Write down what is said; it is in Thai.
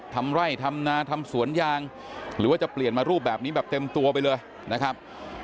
ทำไร่ทำนาทำสวนยางหรือว่าจะเปลี่ยนมารูปแบบนี้แบบเต็มตัวไปเลยนะครับ